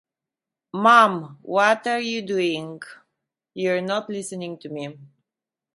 Mom, what are you doing? You're not listening to me.